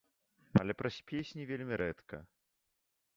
Але праз песні вельмі рэдка.